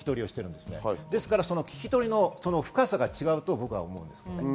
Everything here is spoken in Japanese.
ですから、聞き取りの深さが違うと僕は思います。